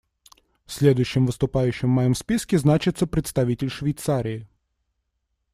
Следующим выступающим в моем списке значится представитель Швейцарии.